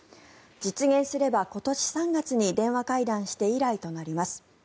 実現すれば今年３月に電話会談して以来となります。